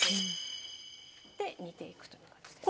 で煮ていくという感じです。